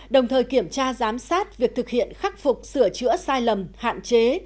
đồng thời kiểm tra giám sát việc thực hiện khắc phục sửa chữa sai lầm hạn chế